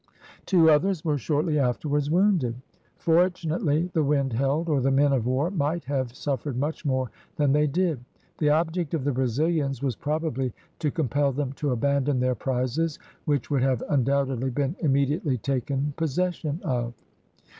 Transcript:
Two others were shortly afterwards wounded. Fortunately the wind held, or the men of war might have suffered much more than they did. The object of the Brazilians was probably to compel them to abandon their prizes, which would have undoubtedly been immediately taken possession of.